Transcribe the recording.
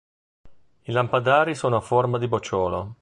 I lampadari sono a forma di bocciolo.